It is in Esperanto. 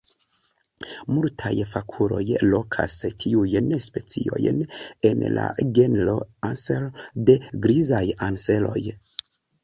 Multaj fakuloj lokas tiujn speciojn en la genro "Anser" de grizaj anseroj.